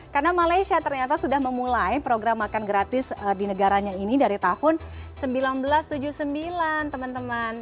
karena malaysia ternyata sudah memulai program makan gratis di negaranya ini dari tahun seribu sembilan ratus tujuh puluh sembilan teman teman